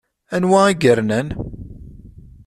Anwa i yernan?